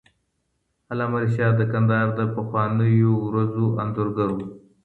علامه رشاد د کندهار د پخوانیو ورځو انځورګر وو.